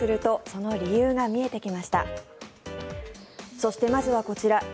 そして、まずはこちら。